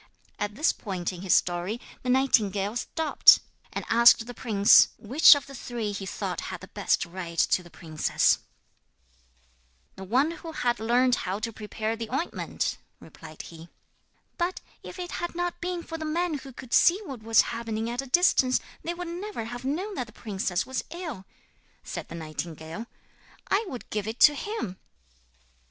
At this point in his story the nightingale stopped, and asked the prince which of the three he thought had the best right to the princess. [Illustration: THE SILENT PRINCESS SPEAKS AT LAST] 'The one who had learned how to prepare the ointment,' replied he. 'But if it had not been for the man who could see what was happening at a distance they would never have known that the princess was ill,' said the nightingale. 'I would give it to him.'